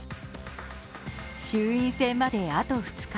衆院選まで、あと２日。